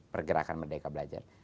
pergerakan merdeka belajar